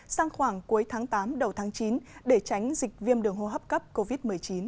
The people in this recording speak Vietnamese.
sang khoảng cuối tháng tám đầu tháng chín để tránh dịch viêm đường hô hấp cấp covid một mươi chín